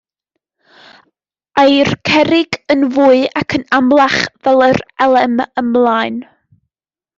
Ai'r cerrig yn fwy ac yn amlach fel yr elem ymlaen.